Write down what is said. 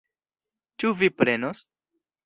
Ĉu vi prenos?